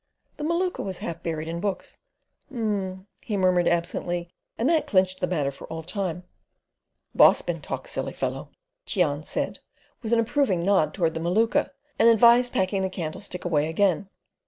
The Maluka was half buried in books. "Um," he murmured absently, and that clinched the matter for all time. "Boss bin talk silly fellow" Cheon said, with an approving nod toward the Maluka, and advised packing the candlestick away again.